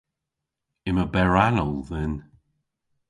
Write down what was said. Yma berranal dhyn.